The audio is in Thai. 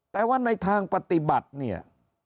แต่ว่าในทางปฏิบัติเนี่ย